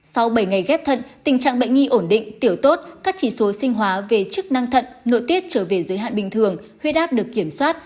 sau bảy ngày ghép thận tình trạng bệnh nhi ổn định tiểu tốt các chỉ số sinh hóa về chức năng thận nội tiết trở về giới hạn bình thường huyết áp được kiểm soát